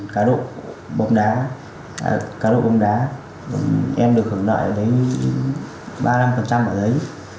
cá độ bóng đá cá độ bóng đá em được hưởng nợ đến ba năm ở đấy